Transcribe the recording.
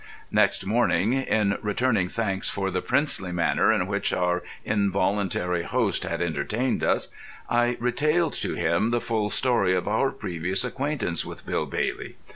Next morning, in returning thanks for the princely manner in which our involuntary host had entertained us, I retailed to him the full story of our previous acquaintance with Bill Bailey.